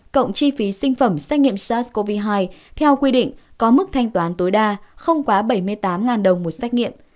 cộng chi phí sinh phẩm xét nghiệm sars cov hai theo quy định có mức thanh toán tối đa không quá bảy mươi tám đồng một xét nghiệm